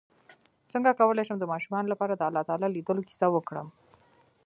څنګه کولی شم د ماشومانو لپاره د الله تعالی لیدلو کیسه وکړم